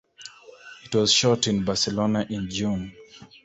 It was shot in Barcelona in June.